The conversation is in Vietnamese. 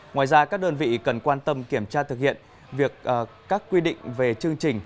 ngoài ra các đơn vị cần quan tâm kiểm tra thực hiện các quy định về chương trình